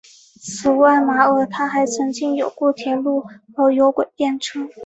此外马尔他还曾经有过铁路和有轨电车。